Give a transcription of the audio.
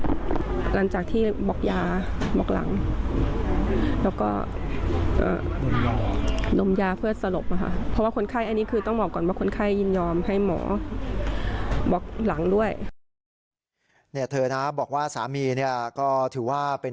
หลังจากที่บอกยา